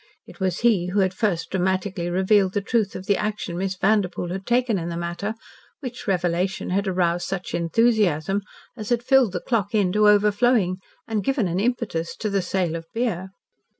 It was he who had first dramatically revealed the truth of the action Miss Vanderpoel had taken in the matter, which revelation had aroused such enthusiasm as had filled The Clock Inn to overflowing and given an impetus to the sale of beer.